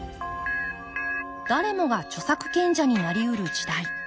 誰もが著作権者になりうる時代。